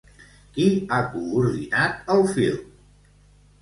Qui ha coordinat el film?